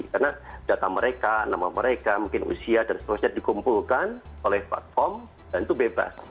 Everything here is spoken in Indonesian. karena data mereka nama mereka mungkin usia dan sebagainya dikumpulkan oleh platform dan itu bebas